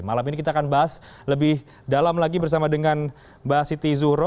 malam ini kita akan bahas lebih dalam lagi bersama dengan mbak siti zuhro